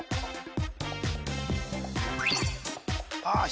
あ